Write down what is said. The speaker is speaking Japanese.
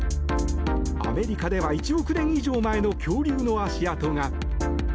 アメリカでは１億年以上前の恐竜の足跡が。